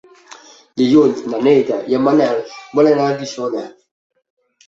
Dilluns na Neida i en Manel volen anar a Guissona.